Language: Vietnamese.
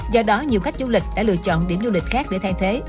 do đó nhiều khách du lịch đã lựa chọn điểm du lịch khác để thay thế